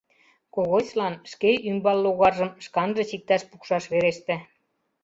Когосьлан шке ӱмбал-логаржым шканже чикташ-пукшаш вереште.